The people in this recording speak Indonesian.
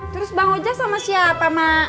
terus bang hojak sama siapa ma